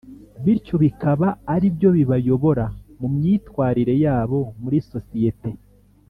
Bityo bikaba ari byo bibayobora mu myitwarire yabo muri sosiyete